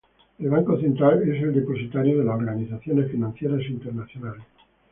El Banco Central es el depositario de las organizaciones financieras internacionales.